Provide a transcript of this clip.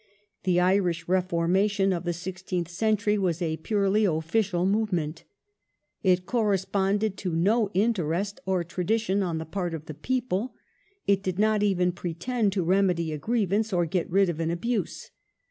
The Irish Reformation of the sixteenth century was a purely official movement. It corresponded to no instinct or tradition on the part of the people ; it did not even pretend to remedy a griev ance or get lid of an abuse.